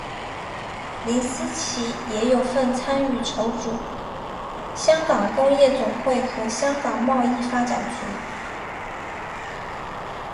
林思齐也有份参与筹组香港工业总会和香港贸易发展局。